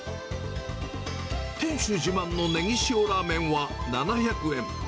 店主自慢のねぎ塩ラーメンは７００円。